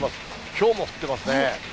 ひょうも降ってますね。